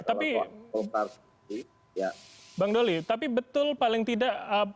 tapi bang doli tapi betul paling tidak